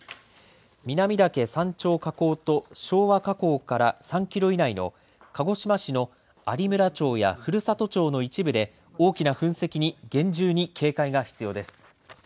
南岳山頂火口と昭和火口から３キロ以内の鹿児島市の有村町や古里町の一部で大きな噴石に厳重に警戒が必要です。